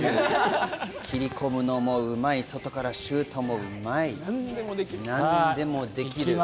切り込むのもうまい、外からのシュートもうまい、何でもできる。